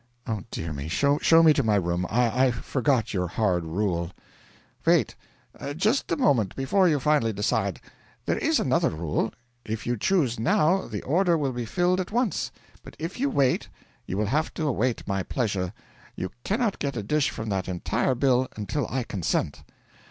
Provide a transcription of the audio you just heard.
'Oh, dear me, show me to my room; I forgot your hard rule.' 'Wait just a moment before you finally decide. There is another rule. If you choose now, the order will be filled at once; but if you wait, you will have to await my pleasure. You cannot get a dish from that entire bill until I consent.'